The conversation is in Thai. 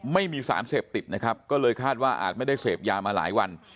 ไม่มีสารเสพติดนะครับก็เลยคาดว่าอาจไม่ได้เสพยามาหลายวัน